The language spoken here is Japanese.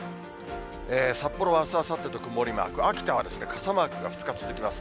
札幌はあす、あさってと曇りマーク、秋田は傘マークが２日続きます。